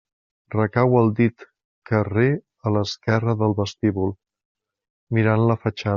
Recau al dit carrer a l'esquerra del vestíbul, mirant la fatxada.